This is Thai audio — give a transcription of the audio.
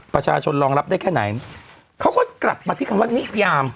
ประชาชนรองรับได้แค่ไหนเขาก็กลับมาที่คำว่านิยาม